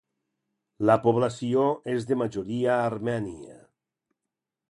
La població és de majoria armènia.